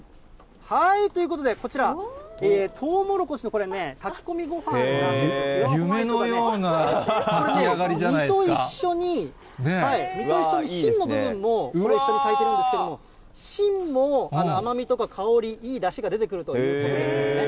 はい、ということで、こちら、トウモロコシの、これね、炊き込夢のような炊き上がりじゃな実と一緒に芯の部分もこれ、一緒に炊いてるんですけれども、芯も甘みとか香り、いいだしが出てくるということですね。